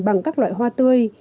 bằng các loại hoa tươi